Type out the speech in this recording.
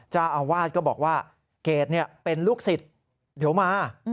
เจ้าอาวาสก็บอกว่าเกรดเป็นลูกศิษย์เดี๋ยวมา